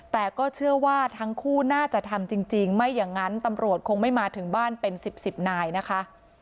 แต่ก็เชื่อว่าทั้งคู่น่าจะทำจริงไม่อย่างนั้นตำรวจคงไม่มาถึงบ้านเป็นสิบสิบนายนะคะ